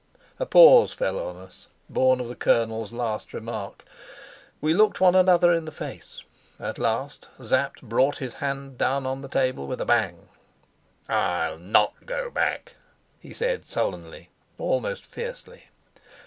A pause fell on us, born of the colonel's last remark. We looked one another in the face. At last Sapt brought his hand down on the table with a bang. "I'll not go back," he said sullenly, almost fiercely.